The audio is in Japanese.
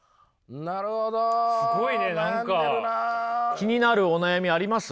気になるお悩みあります？